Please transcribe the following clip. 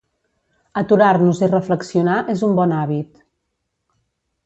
Aturar-nos i reflexionar és un bon hàbit